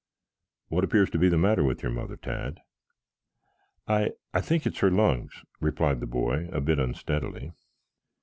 What appears to be the matter with your mother, Tad?" "I I think it's her lungs," replied the boy a bit unsteadily.